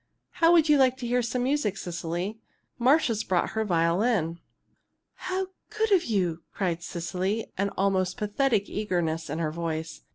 How would you like to hear some music, Cecily? Marcia's brought her violin." "How good of you!" cried Cecily, an almost pathetic eagerness in her voice.